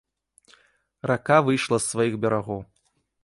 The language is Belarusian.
Рака выйшла з сваіх берагоў.